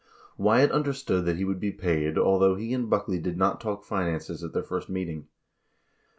Wyatt understood that he would be paid, although he and Buckley did not talk finances at their first meet ing.